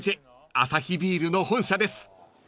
アサヒビールの本社です］